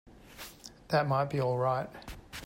That might be all right.